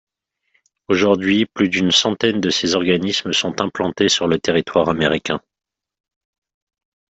Aujourd’hui, plus d’une centaine de ces organismes sont implantés sur le territoire américain.